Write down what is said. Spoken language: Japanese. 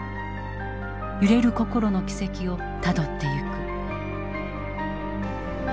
揺れる心の軌跡をたどっていく。